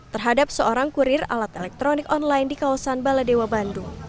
terhadap seorang kurir alat elektronik online di kawasan baladewa bandung